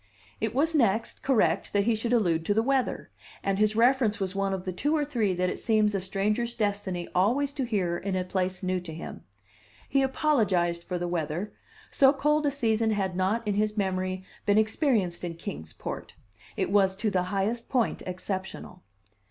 It was, next, correct that he should allude to the weather; and his reference was one of the two or three that it seems a stranger's destiny always to hear in a place new to him: he apologized for the weather so cold a season had not, in his memory, been experienced in Kings Port; it was to the highest point exceptional.